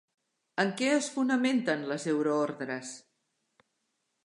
En què es fonamenten les euroordres?